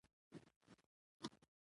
حقيقت له دوی سره ورانه کړې ده.